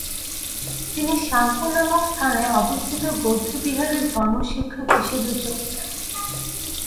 তিনি সাংপু নামক স্থানে অবস্থিত বৌদ্ধবিহারের ধর্মশিক্ষক হিসেবে যোগ দেন।